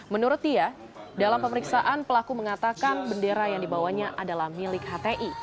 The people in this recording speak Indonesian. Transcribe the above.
menurut dia dalam pemeriksaan pelaku mengatakan bendera yang dibawanya adalah milik hti